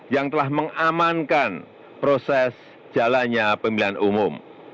yang telah mengamankan proses jalannya pemilihan umum